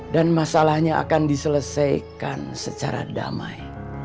dan masalahnya akan diselesaikan secara damai